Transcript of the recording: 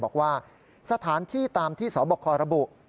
บอกว่าสถานที่ตามที่สบคระบุ